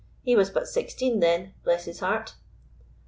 He was but sixteen then, bless his heart!"